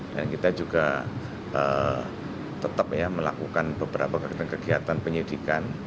dan kita juga tetap ya melakukan beberapa kegiatan penyidikan